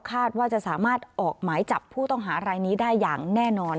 คาดว่าจะสามารถออกหมายจับผู้ต้องหารายนี้ได้อย่างแน่นอน